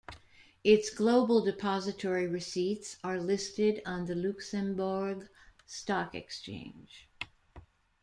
Its Global depository receipts are listed on the Luxembourg Stock Exchange.